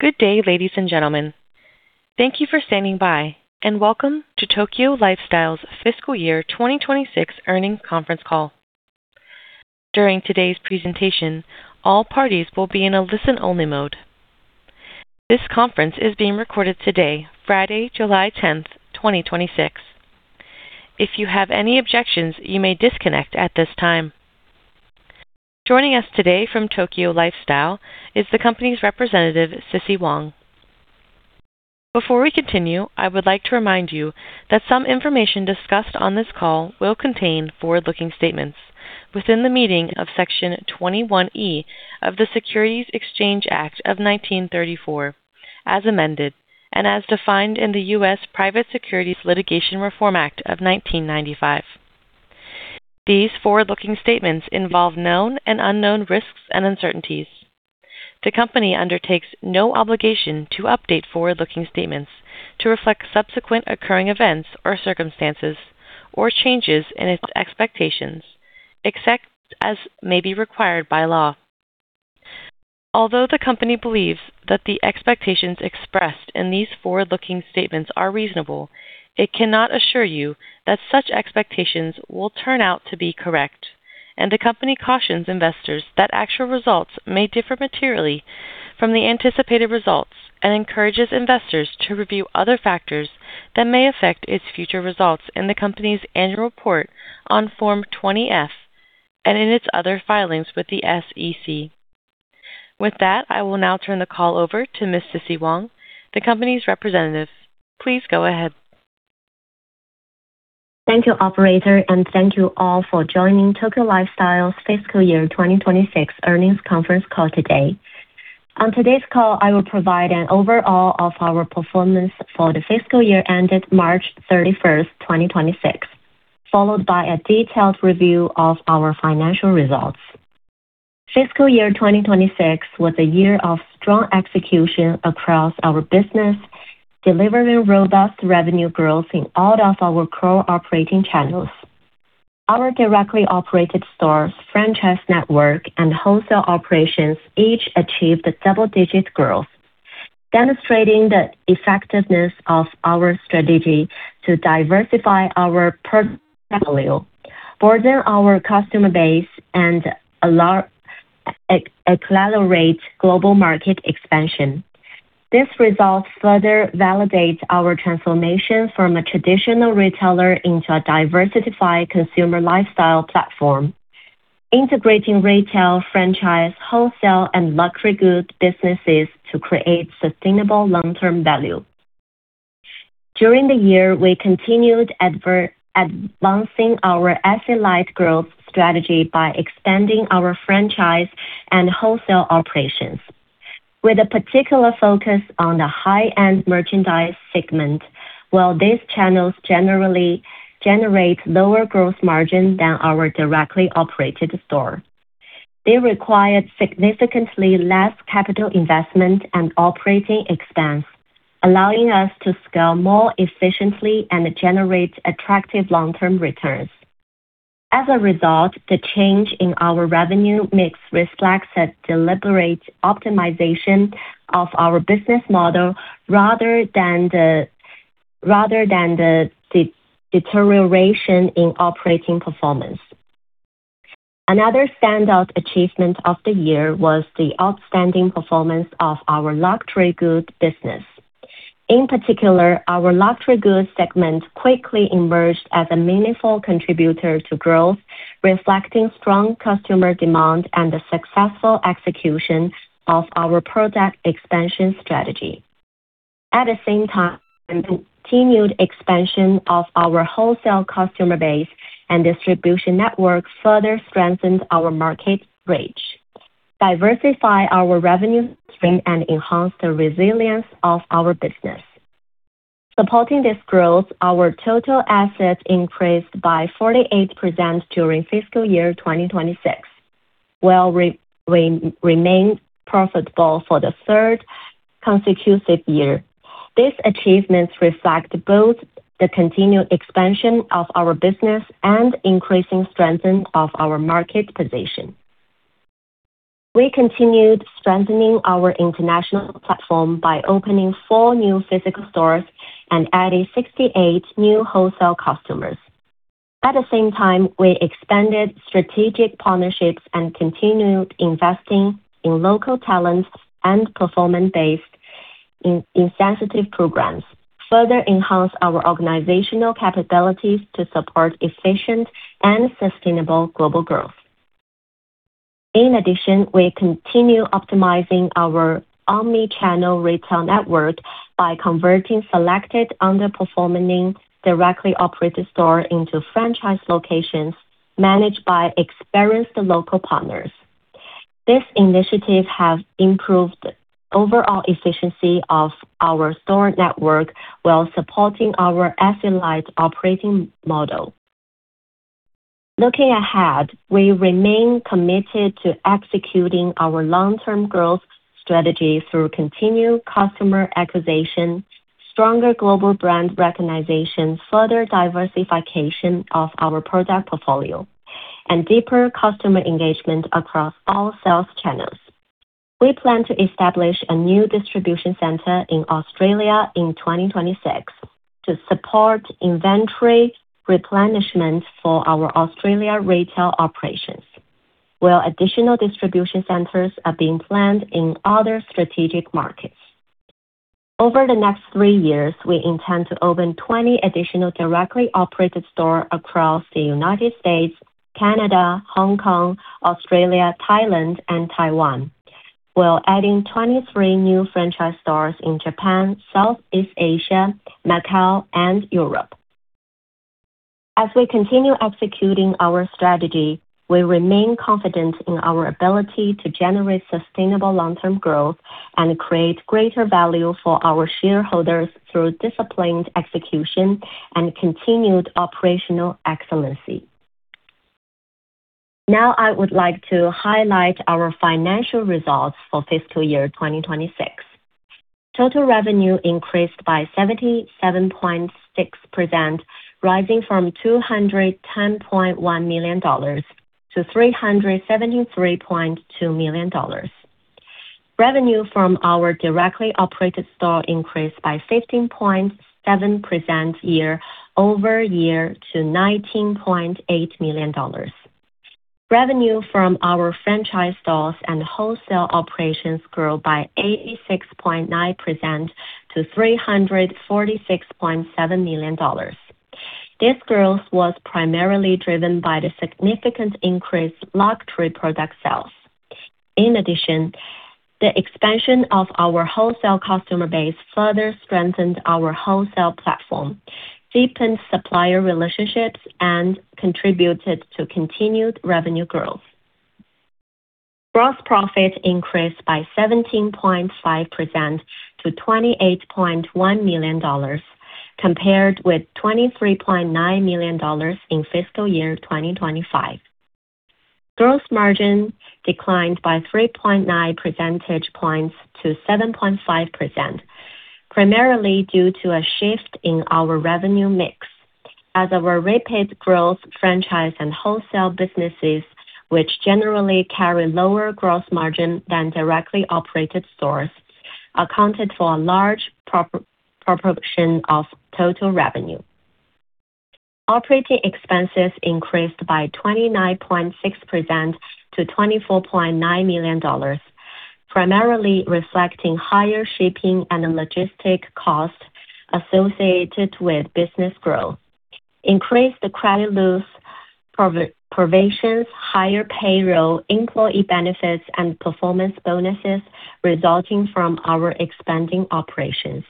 Good day, ladies and gentlemen. Thank you for standing by, and welcome to Tokyo Lifestyle's fiscal year 2026 earnings conference call. During today's presentation, all parties will be in a listen-only mode. This conference is being recorded today, Friday, July 10th, 2026. If you have any objections, you may disconnect at this time. Joining us today from Tokyo Lifestyle is the company's representative, Cissy Wang. Before we continue, I would like to remind you that some information discussed on this call will contain forward-looking statements within the meaning of Section 21E of the Securities Exchange Act of 1934, as amended, and as defined in the U.S. Private Securities Litigation Reform Act of 1995. These forward-looking statements involve known and unknown risks and uncertainties. The company undertakes no obligation to update forward-looking statements to reflect subsequent occurring events or circumstances, or changes in its expectations, except as may be required by law. Although the company believes that the expectations expressed in these forward-looking statements are reasonable, it cannot assure you that such expectations will turn out to be correct. The company cautions investors that actual results may differ materially from the anticipated results and encourages investors to review other factors that may affect its future results in the company's annual report on Form 20-F and in its other filings with the SEC. With that, I will now turn the call over to Ms. Cissy Wang, the company's representative. Please go ahead. Thank you, operator, and thank you all for joining Tokyo Lifestyle's fiscal year 2026 earnings conference call today. On today's call, I will provide an overview of our performance for the fiscal year ended March 31st, 2026, followed by a detailed review of our financial results. Fiscal year 2026 was a year of strong execution across our business, delivering robust revenue growth in all of our core operating channels. Our directly operated stores, franchise network, and wholesale operations each achieved a double-digit growth, demonstrating the effectiveness of our strategy to diversify our portfolio value, broaden our customer base, and accelerate global market expansion. This result further validates our transformation from a traditional retailer into a diversified consumer lifestyle platform, integrating retail, franchise, wholesale, and luxury goods businesses to create sustainable long-term value. During the year, we continued advancing our asset-light growth strategy by expanding our franchise and wholesale operations with a particular focus on the high-end merchandise segment, while these channels generally generate lower gross margin than our directly operated store. They required significantly less capital investment and operating expense, allowing us to scale more efficiently and generate attractive long-term returns. As a result, the change in our revenue mix reflects a deliberate optimization of our business model rather than the deterioration in operating performance. Another standout achievement of the year was the outstanding performance of our luxury goods business. In particular, our luxury goods segment quickly emerged as a meaningful contributor to growth, reflecting strong customer demand and the successful execution of our product expansion strategy. At the same time, continued expansion of our wholesale customer base and distribution network further strengthened our market reach, diversify our revenue stream, and enhance the resilience of our business. Supporting this growth, our total assets increased by 48% during fiscal year 2026, while we remained profitable for the third consecutive year. These achievements reflect both the continued expansion of our business and increasing strengthening of our market position. We continued strengthening our international platform by opening four new physical stores and adding 68 new wholesale customers. At the same time, we expanded strategic partnerships and continued investing in local talents and performance-based incentive programs, further enhance our organizational capabilities to support efficient and sustainable global growth. In addition, we continue optimizing our omni-channel retail network by converting selected underperforming directly operated store into franchise locations managed by experienced local partners. This initiative have improved overall efficiency of our store network while supporting our asset-light operating model. Looking ahead, we remain committed to executing our long-term growth strategy through continued customer acquisition, stronger global brand recognition, further diversification of our product portfolio And deeper customer engagement across all sales channels. We plan to establish a new distribution center in Australia in 2026 to support inventory replenishment for our Australia retail operations, while additional distribution centers are being planned in other strategic markets. Over the next three years, we intend to open 20 additional directly operated store across the U.S., Canada, Hong Kong, Australia, Thailand and Taiwan. While adding 23 new franchise stores in Japan, Southeast Asia, Macau and Europe. As we continue executing our strategy, we remain confident in our ability to generate sustainable long-term growth and create greater value for our shareholders through disciplined execution and continued operational excellence. Now, I would like to highlight our financial results for fiscal year 2026. Total revenue increased by 77.6%, rising from $210.1 million to $373.2 million. Revenue from our directly operated store increased by 15.7% year-over-year to $19.8 million. Revenue from our franchise stores and wholesale operations grew by 86.9% to $346.7 million. This growth was primarily driven by the significant increase luxury product sales. In addition, the expansion of our wholesale customer base further strengthened our wholesale platform, deepened supplier relationships and contributed to continued revenue growth. Gross profit increased by 17.5% to $28.1 million, compared with $23.9 million in fiscal year 2025. Gross margin declined by 3.9 percentage points to 7.5%, primarily due to a shift in our revenue mix as our rapid growth franchise and wholesale businesses, which generally carry lower gross margin than directly operated stores, accounted for a large proportion of total revenue. Operating expenses increased by 29.6% to $24.9 million, primarily reflecting higher shipping and logistics costs associated with business growth, increased credit losses, provisions, higher payroll, employee benefits, and performance bonuses resulting from our expanding operations.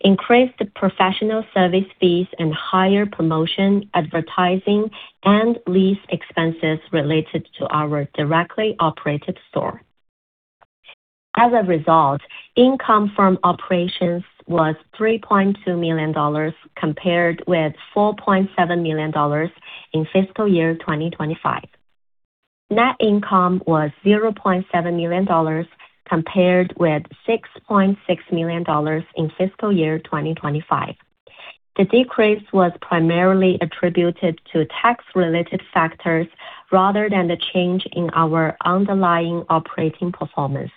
Increased professional service fees and higher promotion, advertising, and lease expenses related to our directly operated store. As a result, income from operations was $3.2 million, compared with $4.7 million in fiscal year 2025. Net income was $0.7 million, compared with $6.6 million in fiscal year 2025. The decrease was primarily attributed to tax-related factors rather than the change in our underlying operating performance.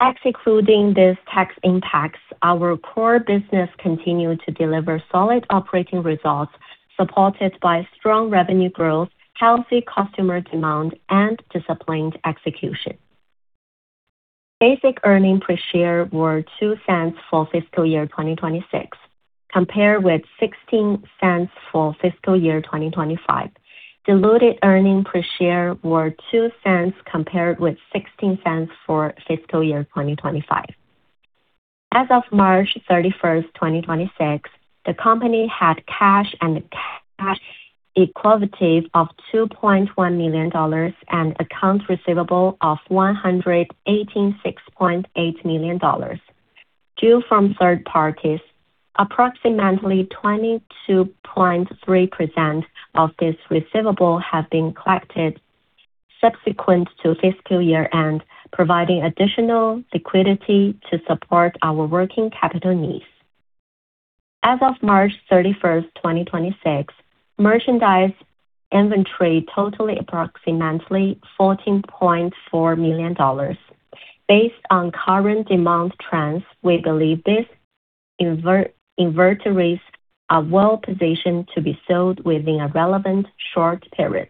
Excluding these tax impacts, our core business continued to deliver solid operating results, supported by strong revenue growth, healthy customer demand and disciplined execution. Basic earnings per share were $0.02 for fiscal year 2026, compared with $0.16 for fiscal year 2025. Diluted earnings per share were $0.02, compared with $0.16 for fiscal year 2025. As of March 31st, 2026, the company had cash and cash equivalents of $2.1 million and accounts receivable of $186.8 million due from third parties. Approximately 22.3% of this receivable has been collected subsequent to fiscal year-end, providing additional liquidity to support our working capital needs. As of March 31st, 2026, merchandise inventory totaled approximately $14.4 million. Based on current demand trends, we believe these inventories are well-positioned to be sold within a relevant short period.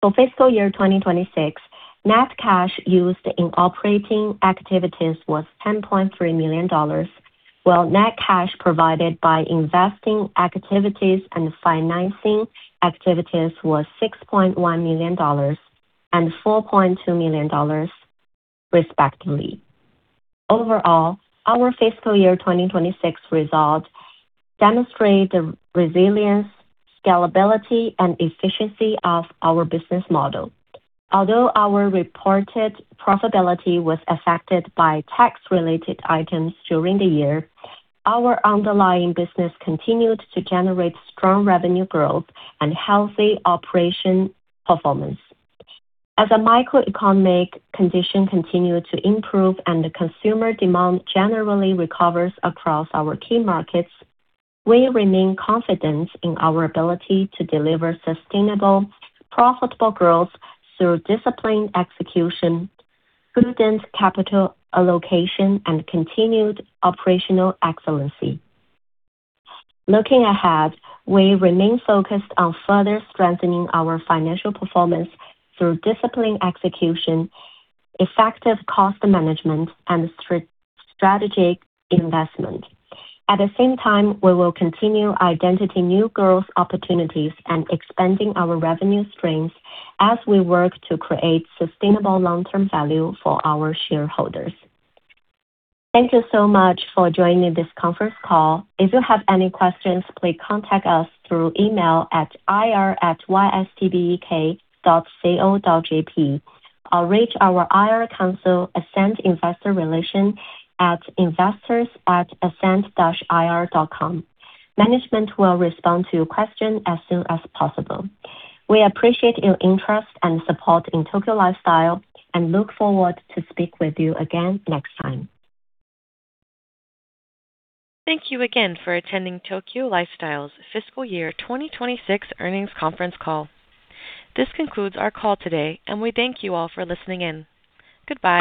For fiscal year 2026, net cash used in operating activities was $10.3 million, while net cash provided by investing activities and financing activities was $6.1 million and $4.2 million, respectively. Overall, our fiscal year 2026 results demonstrate the resilience, scalability and efficiency of our business model. Although our reported profitability was affected by tax-related items during the year, our underlying business continued to generate strong revenue growth and healthy operating performance. As the macroeconomic conditions continue to improve and the consumer demand generally recovers across our key markets, we remain confident in our ability to deliver sustainable, profitable growth through disciplined execution, prudent capital allocation and continued operational excellency. Looking ahead, we remain focused on further strengthening our financial performance through disciplined execution, effective cost management and strategic investment. At the same time, we will continue identifying new growth opportunities and expanding our revenue streams as we work to create sustainable long-term value for our shareholders. Thank you so much for joining this conference call. If you have any questions, please contact us through email at ir@ystbek.co.jp or reach our IR counsel Ascent Investor Relations at investors@ascent-ir.com. Management will respond to your question as soon as possible. We appreciate your interest and support in Tokyo Lifestyle and look forward to speak with you again next time. Thank you again for attending Tokyo Lifestyle's Fiscal Year 2026 earnings conference call. This concludes our call today, and we thank you all for listening in. Goodbye